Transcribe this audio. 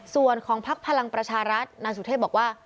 ส่วนของพักพลังประชารัฐนายสุเทพบอกว่า